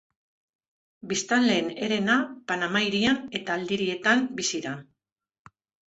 Biztanleen herena Panama Hirian eta aldirietan bizi da.